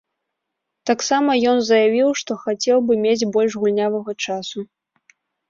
Таксама ён заявіў, што хацеў бы мець больш гульнявога часу.